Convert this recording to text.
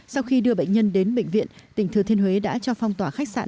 sau khi đưa bệnh nhân đến bệnh viện tỉnh thừa thiên huế đã cho phong tỏa khách sạn